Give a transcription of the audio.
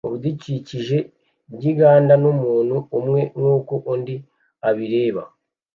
mubidukikije byinganda numuntu umwe nkuko undi abireba